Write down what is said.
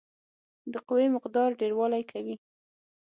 د قوې مقدار ډیروالی کوي.